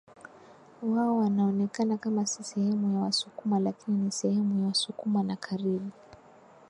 wao wanaonekana kama si sehemu ya Wasukuma lakini ni sehemu ya wasukuma na karibu